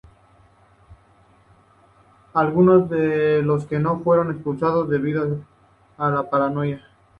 Algunos de los que no, fueron expulsados debido a la paranoia.